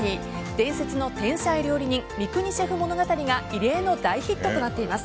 伝説の天才料理人三國シェフ物語が異例の大ヒットとなっています。